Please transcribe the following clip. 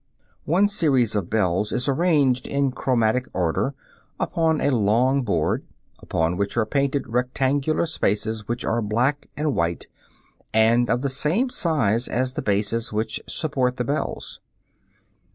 ] One series of bells is arranged in chromatic order upon a long board, upon which are painted rectangular spaces which are black and white and of the same size as the bases which support the bells.